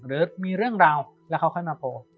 หรือมีเรื่องราวแล้วเขาค่อยมาโพล